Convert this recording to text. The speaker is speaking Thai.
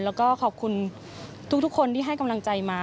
แล้วก็ขอบคุณทุกคนที่ให้กำลังใจมา